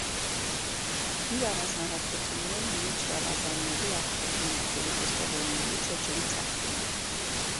Իր առանձնահատկություններն ունի ջրավազանների աղտոտումը, որի դրսևորումներից է ջրի «ծաղկումը»։